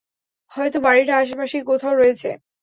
হয়তো বাড়িটা আশেপাশেই কোথাও রয়েছে।